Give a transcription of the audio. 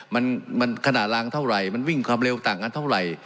มันขนาดรางเท่าไหร่มันวิ่งความเร็วต่างกันเท่าไหร่